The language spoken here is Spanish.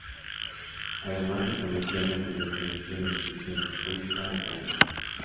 Además se convirtió en el primer Ministro de Instrucción Pública de Panamá.